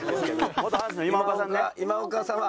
元阪神の今岡さんね。